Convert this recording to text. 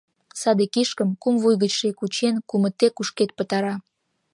Саде кишкым, кум вуй гычше кучен, кумыте кушкед пытара.